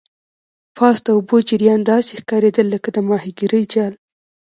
پاس د اوبو جریان داسې ښکاریدل لکه د ماهیګرۍ جال.